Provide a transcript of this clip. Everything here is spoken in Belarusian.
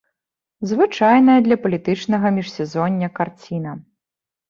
Звычайная для палітычнага міжсезоння карціна.